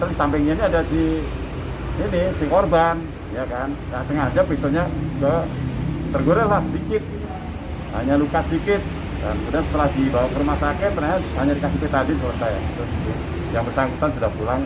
ibu ingat air usok